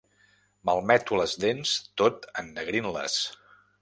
Malmeto les dents tot ennegrint-les.